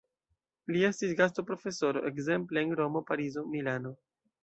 Li estis gastoprofesoro ekzemple en Romo, Parizo, Milano.